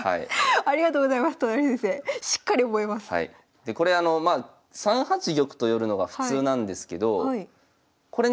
でこれあの３八玉と寄るのが普通なんですけどこれね